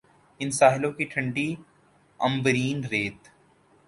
ان ساحلوں کی ٹھنڈی عنبرین ریت